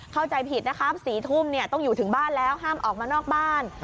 เข้าใจผิดนะครับ๔ทุ่มต้องอยู่ถึงบ้านแล้วห้ามออกมานอกบ้าน